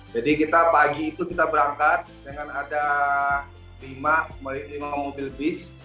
jadi kita pagi itu kita berangkat dengan ada lima mobil bis